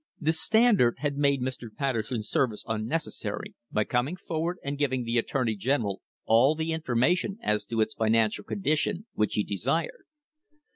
The Standard had made Mr. Patterson's services unnecessary by coming forward and giv ing the attorney general all the information as to its finan cial condition which he desired.